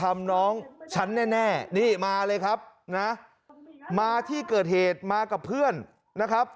มาที่เกิดเหตุมากับเพื่อนนะครับ